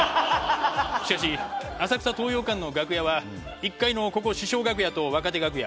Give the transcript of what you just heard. しかし浅草東洋館の楽屋は１階のここ師匠楽屋と若手楽屋。